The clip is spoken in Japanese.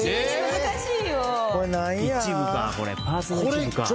・難しい。